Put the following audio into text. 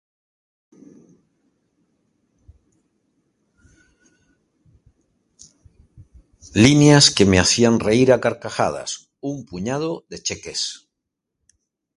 Líneas que me hacían reír a carcajadas, un puñado de cheques.